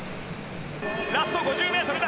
ラスト５０ｍだ。